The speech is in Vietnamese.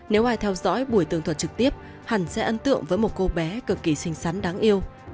nếu ai theo dõi buổi tường thuật trực tiếp hẳn sẽ ấn tượng với một cô bé cực kỳ xinh xắn đáng yêu